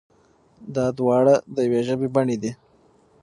دا دواړه د يوې ژبې بڼې دي.